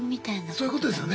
そういうことですよね。